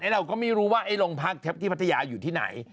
เราก็ไม่รู้ว่าโรงพักเทพที่พัทยาอยู่ที่ไหน